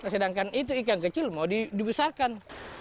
sedangkan itu ikan kecil mau dibesarkan